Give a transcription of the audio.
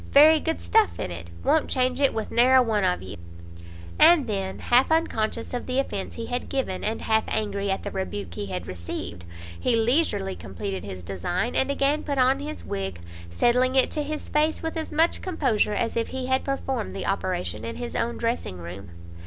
very good stuff in it; won't change it with ne'er a one of you!" And then, half unconscious of the offence he had given, and half angry at the rebuke he had received, he leisurely compleated his design, and again put on his wig, settling it to his face with as much composure as if he had performed the operation in his own dressing room.